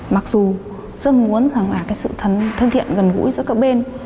mặc dù rất muốn sự thân thiện gần gũi giữa các bên